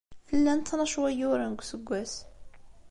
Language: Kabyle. Llan tnac n wayyuren deg useggas.